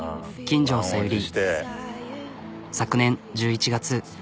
昨年１１月。